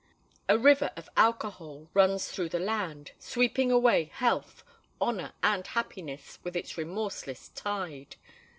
A river of alcohol rolls through the land, sweeping away health, honour, and happiness with its remorseless tide.